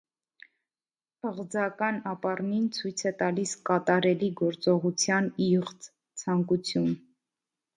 Ըղձական ապառնին ցույց է տալիս կատարելի գործողության իղձ, ցանկություն։